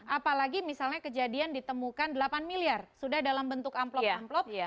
apalagi misalnya kejadian ditemukan delapan miliar sudah dalam bentuk amplop amplop